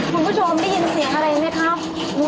คุณผู้ชมได้ยินเสียงอะไรไหมครับ